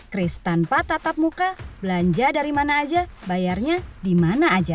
chris tanpa tatap muka belanja dari mana aja bayarnya dimana aja